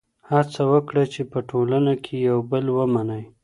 هڅه وکړئ چي په ټولنه کي یو بل ومنئ.